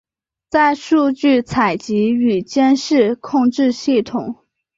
在数据采集与监视控制系统。